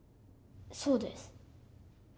そうです。